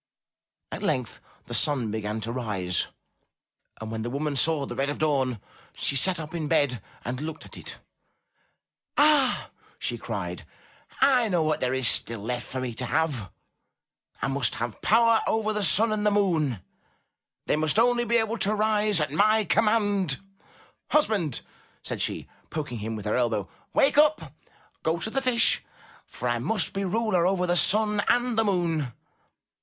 At length the sun began to rise, and when the woman saw the red of dawn, she sat up in bed and looked at it. ''Ah," she cried, ''I know what there is still left for me to have. I must have power over the sun and the moon. They must only be able to rise at my command." * 'Husband," said she, poking him with her elbow, "wake up! Go to the Fish, for I must be ruler over the sun and the moon."